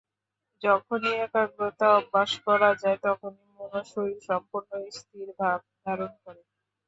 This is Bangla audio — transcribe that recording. যখনই একাগ্রতা অভ্যাস করা যায়, তখনই মন ও শরীর সম্পূর্ণ স্থিরভাব ধারণ করে।